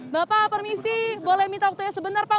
bapak permisi boleh minta waktunya sebentar pak